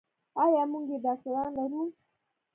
ایا موږ یې ډاکتران لرو.